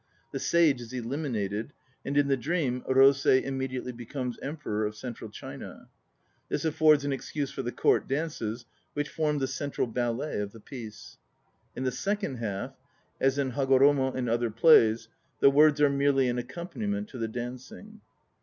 The "sage" is eliminated, and in the dream Rosei immediately becomes Emperor of Central China. This affords an excuse for the Court dances which form the central "ballet" of the piece. In the second half, as in Hagor omo and other plays, the words are merely an accompaniment to the dancing.